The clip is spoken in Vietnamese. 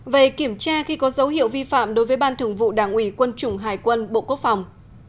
một về kiểm tra khi có dấu hiệu vi phạm đối với ban thường vụ đảng ủy quân chủng hải quân bộ quốc phòng